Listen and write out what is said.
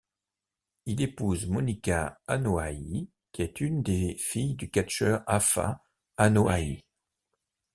Il épouse Monica Anoa’i qui est une des fille du catcheur Afa Anoaʻi.